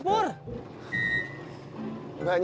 berarti a gasenje